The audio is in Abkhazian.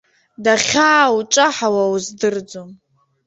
Дахьаауҿаҳауа уздырӡом.